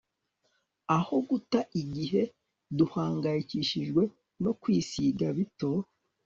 aho guta igihe duhangayikishijwe no kwisiga bito